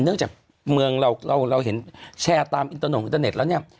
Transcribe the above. เนื่องจากเมืองเราเราเห็นแชร์ตามอินเตอร์โนอินเตอร์เน็ตแล้วเนี่ย